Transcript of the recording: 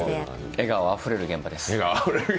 笑顔あふれる現場です。